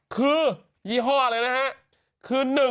คือยี่ห้อเลยนะฮะ